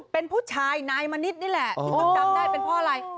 เป็นผู้ชายนายมณิษฐ์นี่แหละที่เขาจำได้เป็นเพราะอะไร